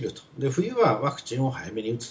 冬はワクチンを早めに打つ。